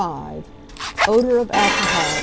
No odour of alcohol 5.